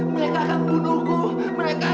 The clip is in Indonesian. mereka akan membunuhku mereka akan